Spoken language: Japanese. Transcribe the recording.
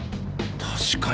確かに。